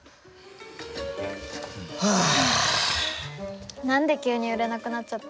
はあ！